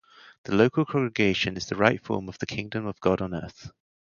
The local congregation is the right form of the Kingdom of God on earth.